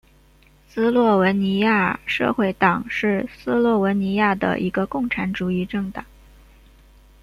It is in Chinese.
斯洛文尼亚社会党是斯洛文尼亚的一个共产主义政党。